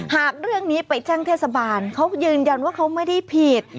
หากเรื่องนี้ไปแจ้งเทศบาลเขายืนยันว่าเขาไม่ได้ผิด